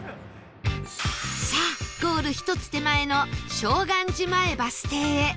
さあゴール１つ手前の照願寺前バス停へ